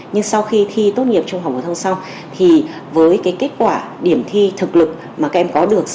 nhưng sau khi thi tốt nghiệp trung học vô thông sau thì với cái kết quả điểm thi thực lực mà các em có được sau đó